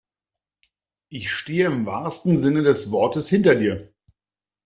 Ich stehe im wahrsten Sinne des Wortes hinter dir.